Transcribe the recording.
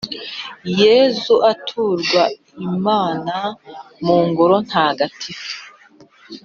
yezu aturwa imana mu ngoro ntagatifu